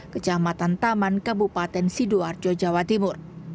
kecamatan taman kabupaten sidoarjo jawa timur